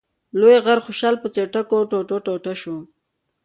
لوی غر خوشحال په څټکو ټوټه ټوټه شو.